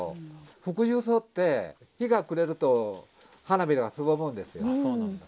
福寿草って日が暮れると花びらがすぼむんですよ。